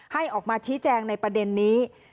ให้ออกมาชี้แจงในประเด็นนี้